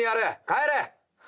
帰れ！